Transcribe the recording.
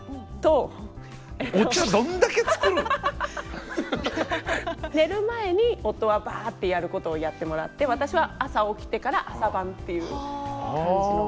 だからえっと寝る前に夫はバッてやることをやってもらって私は朝起きてから朝番っていう感じの。